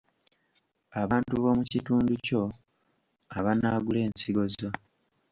Abantu b’omu kitundu kyo abanaagula ensigo zo?